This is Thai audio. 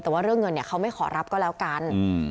แต่ว่าเรื่องเงินมันไม่ขอรับก็แล้วกัน